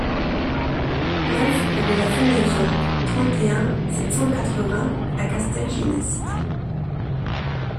neuf rUE DE LA FENAISON, trente et un, sept cent quatre-vingts à Castelginest